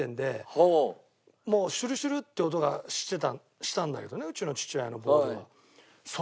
もうシュルシュルって音がしたんだけどねうちの父親のボールは。